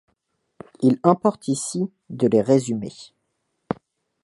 Il importe ici de les résumer.